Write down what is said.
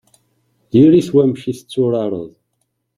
Diri-t wamek i tetturareḍ.